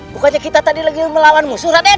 bukannya kita tadi lagi melawan musuh raden